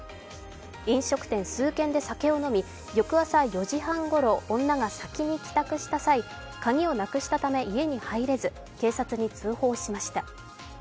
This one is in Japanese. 飲食店数軒で酒を飲み、翌朝４時半ごろ女が先に帰宅した際、鍵をなくしたため家に入れず警察に通報しました。